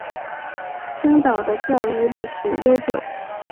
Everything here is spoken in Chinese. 青岛的教育历史悠久。